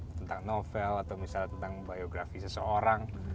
tentang novel atau misalnya tentang biografi seseorang